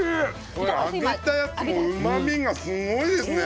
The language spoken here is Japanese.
これ揚げたやつもうまみがすごいですね。